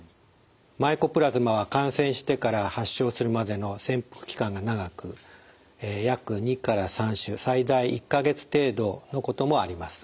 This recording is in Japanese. マイコプラズマは感染してから発症するまでの潜伏期間が長く約２から３週最大１か月程度のこともあります。